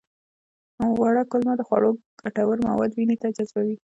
وړه کولمه د خوړو ګټور مواد وینې ته جذبوي